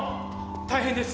大変です！